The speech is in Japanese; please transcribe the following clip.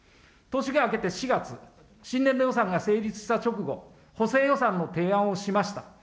年が明けて４月、新年度予算が成立した直後、補正予算の提案をしました。